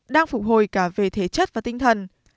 đang phục hồi cả về thể chất và tinh thần